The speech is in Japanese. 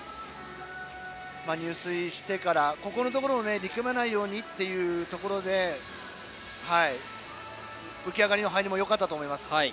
入水してから力まないようにということで浮き上がりの入りもよかったと思います。